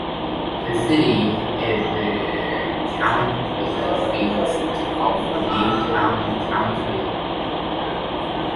The city is the county seat of Newton County.